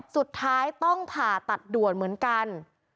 สุดท้ายต้องผ่าตัดด่วนเหมือนกัน